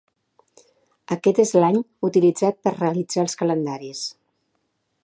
Aquest és l'any utilitzat per realitzar els calendaris.